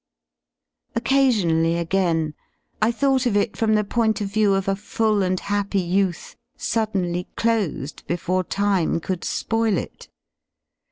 Occasionally, again, I thought of it from the point of \. 1 view of a full and happy youth suddenly closed before Time n^oK^ Vvp ^ could spoil it.